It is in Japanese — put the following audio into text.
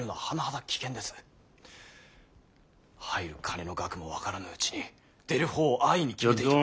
入る金の額も分からぬうちに出る方を安易に決めていては。